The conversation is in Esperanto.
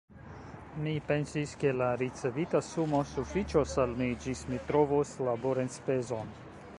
Mi pensis, ke la ricevita sumo sufiĉos al mi, ĝis mi trovos laborenspezon.